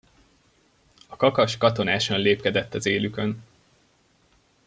A kakas katonásan lépkedett az élükön.